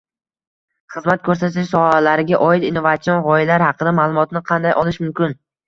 xizmat ko’rsatish sohalariga oid innovatsion g’oyalar haqida ma’lumotni qanday olish mumkin?